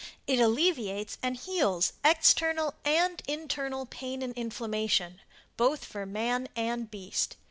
It alleviates and heals external and internal pain and inflammation, both for man and beast.